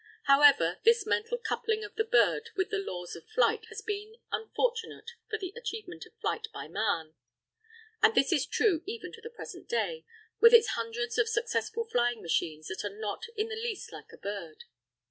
However, this mental coupling of the bird with the laws of flight has been unfortunate for the achievement of flight by man. And this is true even to the present day, with its hundreds of successful flying machines that are not in the least like a bird.